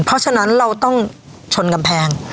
เพราะฉะนั้นเราต้องชนกำแพง